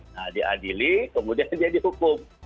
nah diadili kemudian dia dihukum